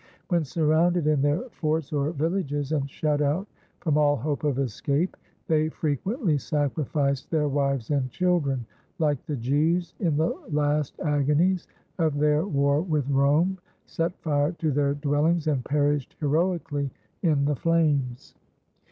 When surrounded in their forts or villages, and shut out from all hope of escape, they frequently sacrificed their wives and children like the Jews in the last agonies of their war with Rome set fire to their dwellings, and perished heroically in the flames.